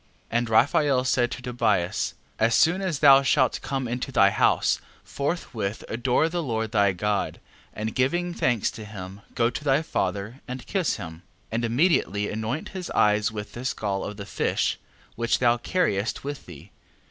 11:7. And Raphael said to Tobias: As soon as thou shalt come into thy house, forthwith adore the Lord thy God: and giving thanks to him, go to thy father, and kiss him. 11:8. And immediately anoint his eyes with this gall of the fish, which thou carriest with thee.